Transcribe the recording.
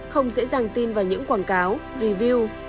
không dễ dàng tin vào những quảng cáo review